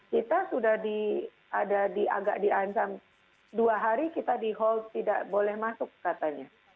kita sudah di ada di agak di ancam dua hari kita di hold tidak boleh masuk katanya